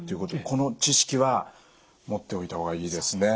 この知識は持っておいた方がいいですね。